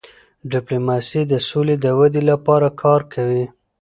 ډيپلوماسي د سولې د ودی لپاره کار کوي.